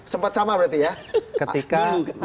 sempat sama berarti ya